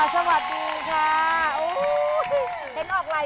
สวัสดีค่า